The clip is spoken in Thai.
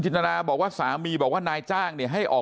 พวกมันกลับมาเมื่อเวลาที่สุดพวกมันกลับมาเมื่อเวลาที่สุด